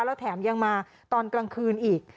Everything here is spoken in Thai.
แล้วแถมยังมาตอนกลางคืนอีก